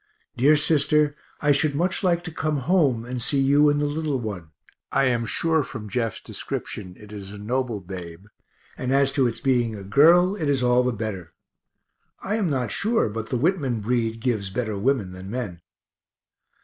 Dear sister, I should much like to come home and see you and the little one; I am sure from Jeff's description it is a noble babe and as to its being a girl, it is all the better. (I am not sure but the Whitman breed gives better women than men.)